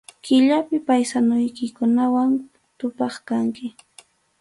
Kallipi paysanuykikunawan tupaq kanki.